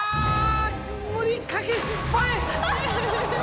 無理かけ失敗！